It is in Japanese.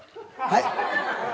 はい。